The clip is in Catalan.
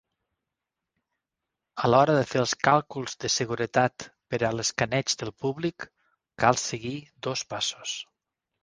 A l'hora de fer els càlculs de seguretat per a l'escaneig del públic, cal seguir dos passos.